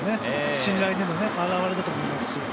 信頼の表れだと思います。